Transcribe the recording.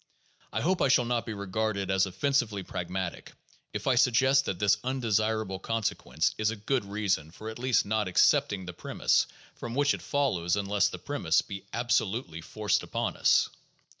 I hope I shall not be regarded as offensively pragmatic if I suggest that this undesirable consequence is a good reason for at least not accepting the premise from which it follows unless that premise be absolutely forced upon us.